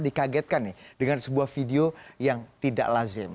dikagetkan nih dengan sebuah video yang tidak lazim